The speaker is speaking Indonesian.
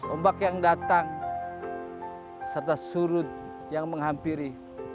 ombak yang datang serta surut yang menghampiri